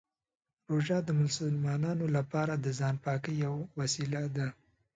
روژه د مسلمانانو لپاره د ځان پاکۍ یوه وسیله ده.